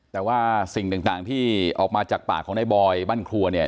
แต่ว่าสิ่งต่างที่ออกมาจากปากของในบอยบ้านครัวเนี่ย